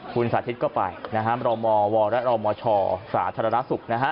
คุณสาธิตก็ไปรมวและรมชสาธารณสุข